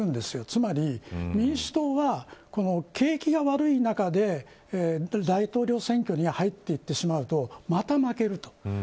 つまり、民主党は景気が悪い中で大統領選挙に入っていってしまうとまた負けると。